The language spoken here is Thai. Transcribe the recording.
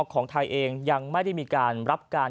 ของไทยเองยังไม่ได้มีการรับการ